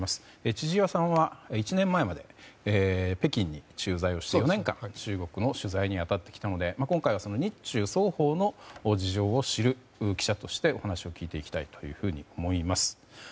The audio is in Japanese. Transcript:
千々岩さんは１年前まで北京に駐在をして４年間、中国の取材に当たってきたので今回は日中双方の事情を知る記者としてお話を聞いていきたいと思います。